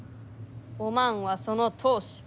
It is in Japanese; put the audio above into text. おまんはその当主。